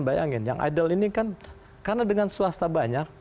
bayangin yang idol ini kan karena dengan swasta banyak